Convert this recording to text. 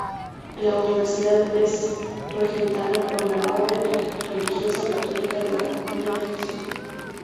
La universidad es regentada por la orden religiosa católica de la Compañía de Jesús.